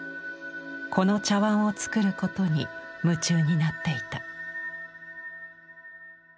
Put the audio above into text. この茶碗を作ることに夢中になっていた。